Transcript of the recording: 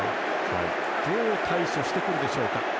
どう対処してくるでしょうか。